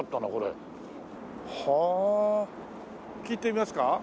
聞いてみますか？